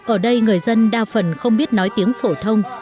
ở đây người dân đa phần không biết nói tiếng phổ thông